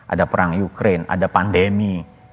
ada perang ukraine ada pandemi